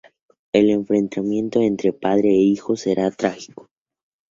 El enfrentamiento entre padre e hijo será trágico.